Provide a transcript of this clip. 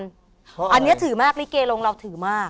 เพราะอะไรอันนี้ถือมากลิเกย์โรงเราถือมาก